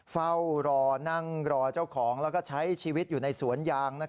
เฝ้ารอนั่งรอเจ้าของแล้วก็ใช้ชีวิตอยู่ในสวนยาง